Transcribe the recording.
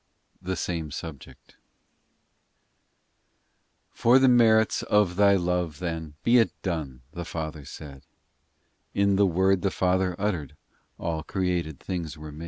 THE SAME SUBJECT FOR the merits of Thy love, then, Be it done, the Father said ; In the word the Father uttered All created things were made.